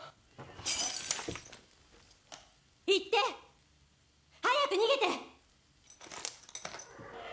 行って！早く逃げて！